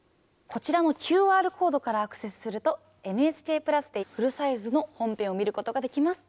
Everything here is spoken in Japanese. こちらのＱＲコードからアクセスすると「ＮＨＫプラス」でフルサイズの本編を見ることができます。